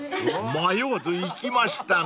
［迷わずいきましたね］